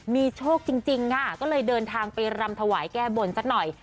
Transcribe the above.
มีโชคจริงค่ะก็เลยเดินทางไปรำถวายแก้บนสักหน่อย